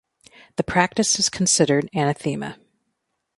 The practice is considered anathema.